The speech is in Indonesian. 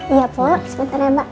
iya pak sebentar ya mbak